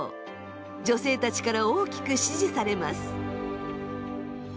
女性たちから大きく支持されます。